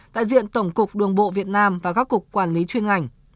đại diện tổng cục đường bộ việt nam và các cục quản lý chuyên ngành